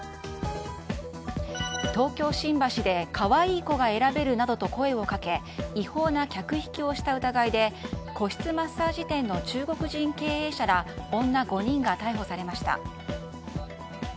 東京・新橋で可愛い子が選べるなどと声をかけ違法な客引きをした疑いで個室マッサージ店の中国人経営者ら女４人が逮捕されました。